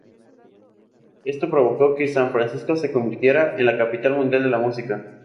Esto provocó que San Francisco se convirtiera en la capital mundial de la música.